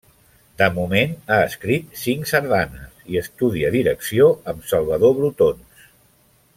De moment ha escrit cinc sardanes i estudia direcció amb Salvador Brotons.